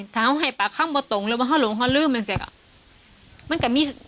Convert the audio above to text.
ถ้าเขาให้ปากเขามาตรงเลยว่าเขาหลงเขาลืมเนี่ยเสียก่อน